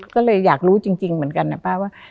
ก็เลยอยากรู้จริงเหมือนกันนะป้าว่า